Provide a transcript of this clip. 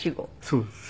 そうです。